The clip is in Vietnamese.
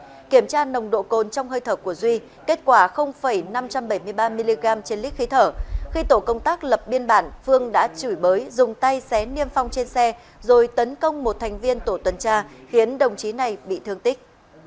cả hai đều không đội côn trong hơi thở của duy kết quả năm trăm bảy mươi ba mg trên lít khí thở khi tổ công tác lập biên bản phương đã chửi bới dùng tay xé niêm phong trên xe rồi tấn công một thành viên tổ tuần tra khiến đồng chí này bị thương tích